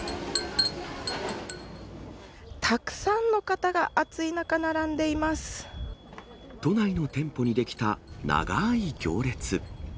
たくさんの方が、暑い中、都内の店舗に出来た長い行列。